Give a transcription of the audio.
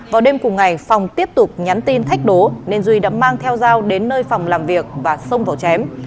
vào đêm cùng ngày phòng tiếp tục nhắn tin thách đố nên duy đã mang theo dao đến nơi phòng làm việc và xông vào chém